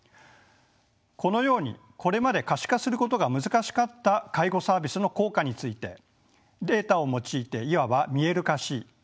このようにこれまで可視化することが難しかった介護サービスの効果についてデータを用いていわば見える化し